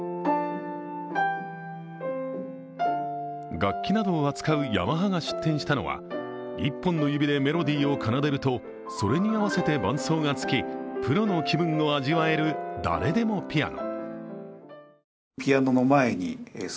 楽器などを扱うヤマハが出展したのは１本の指でメロディーを奏でると、それに合わせて伴奏がつき、プロの気分を味わえるだれでもピアノ。